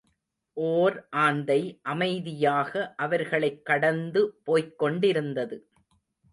ஓர் ஆந்தை, அமைதியாக அவர்களைக் கடந்துபோய்க் கொண்டிருந்தது.